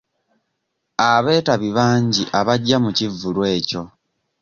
Abeetabi bangi abajja mu kivvulu ekyo.